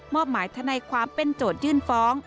อบหมายทนายความเป็นโจทยื่นฟ้อง